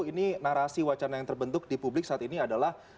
ini narasi wacana yang terbentuk di publik saat ini adalah